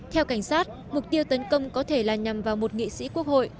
theo cảnh sát mục tiêu tấn công có thể là nhằm vào một nghị sĩ quốc hội